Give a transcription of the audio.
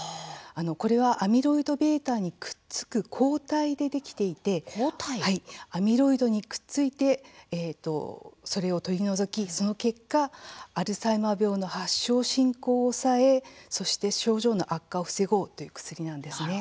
これはアミロイドβにくっつく抗体でできていてアミロイドにくっついてそれを取り除きその結果アルツハイマー病の発症、進行を抑えそして症状の悪化を防ごうという薬なんですね。